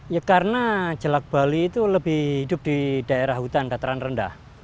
ya karena jelak bali itu lebih hidup di daerah hutan dataran rendah